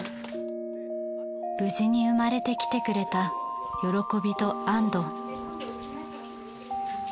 無事に生まれてきてくれた喜びと安堵。